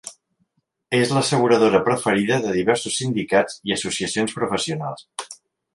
És l'asseguradora preferida de diversos sindicats i associacions professionals.